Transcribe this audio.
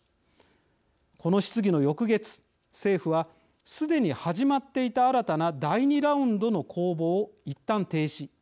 この質疑の翌月政府はすでに始まっていた新たな第２ラウンドの公募をいったん停止。